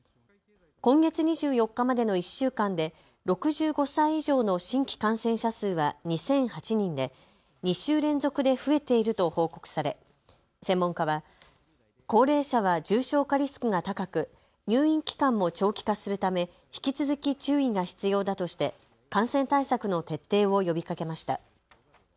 今月２４日までの１週間で６５歳以上の新規感染者数は２００８人で、２週連続で増えていると報告され専門家は高齢者は重症化リスクが高く入院期間も長期化するため引き続き注意が必要だとして感染対策の徹底を呼びかけました。